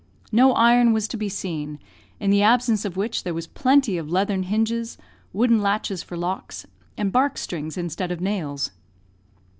No iron was to be seen, in the absence of which there was plenty of leathern hinges, wooden latches for locks, and bark strings instead of nails.